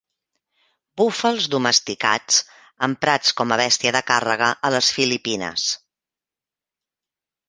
Búfals domesticats, emprats com a bèstia de càrrega a les Filipines.